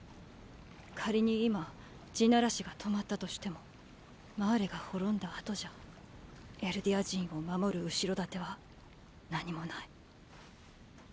仮に今「地鳴らし」が止まったとしてもマーレが滅んだ後じゃエルディア人を守る後ろ盾は何も無い。